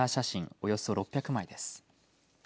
およそ６００枚です。